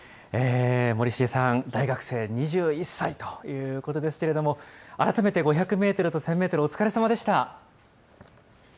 森重さん、大学生、２１歳ということですけれども、改めて５００メートルと１０００メートル、お疲れさまでした。